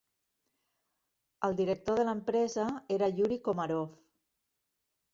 El director de l'empresa era Yury Komarov.